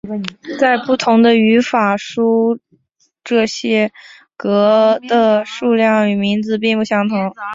在不同的语法书中这些格的数量与名字并不相同。